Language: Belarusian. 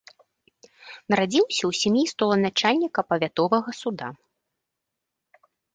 Нарадзіўся ў сям'і столаначальніка павятовага суда.